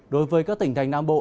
đối với các tỉnh thành nam bộ